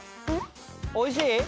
おいしい？